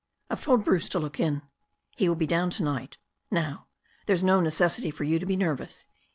I've told Bruce to look in. He will be down to night. Now, there's no necessity for you to be nervous.